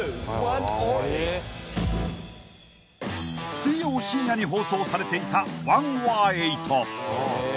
［水曜深夜に放送されていた『１ｏｒ８』］